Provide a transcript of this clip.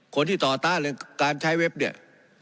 คนที่ต่อต้านการใช้เว็บเนี่ย